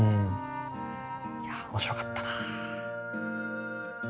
いや面白かったな。